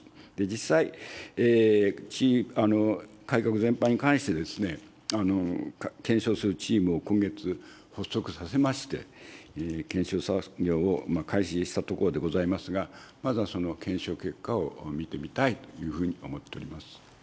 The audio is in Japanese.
実際、改革全般に関して検証するチームを今月、発足させまして、検証作業を開始したところでございますが、まずはその検証結果を見てみたいというふうに思っております。